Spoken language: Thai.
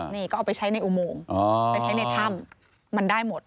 นี่ก็เอาไปใช้ในอุโมงไปใช้ในถ้ำมันได้หมด